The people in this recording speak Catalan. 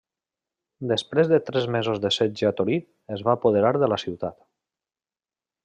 Després de tres mesos de setge a Torí, es va apoderar de la ciutat.